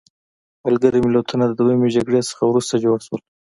ملګري ملتونه د دویمې جګړې نه وروسته جوړ شول.